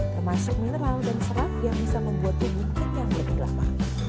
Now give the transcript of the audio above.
termasuk mineral dan serap yang bisa membuat urap mungkin yang lebih lama